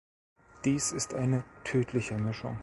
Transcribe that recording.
Dies ist eine tödliche Mischung.